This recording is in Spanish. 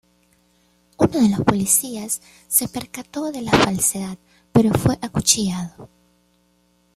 Uno de los policías se percató de la falsedad pero fue acuchillado.